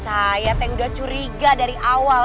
saya tak tidak turut hati dari awal